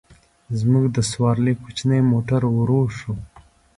زموږ د سورلۍ کوچنی موټر ورو شو.